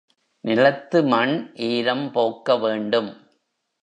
நிலத்து மண் ஈரம் போக்க வேண்டும்.